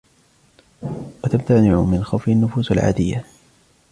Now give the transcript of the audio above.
وَتَمْتَنِعُ مِنْ خَوْفِهِ النُّفُوسُ الْعَادِيَةُ